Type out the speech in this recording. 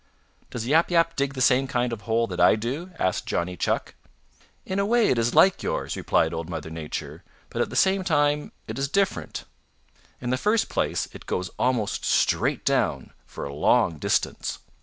"Does Yap Yap dig the same kind of a hole that I do?" asked Johnny Chuck. "In a way it is like yours," replied Old Mother Nature, "but at the same time it is different. In the first place, it goes almost straight down for a long distance.